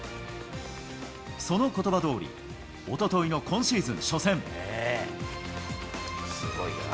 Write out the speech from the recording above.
そのことばどおり、おとといの今シーズン初戦。